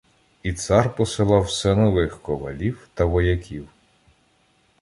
І цар посилав все нових ковалів та вояків.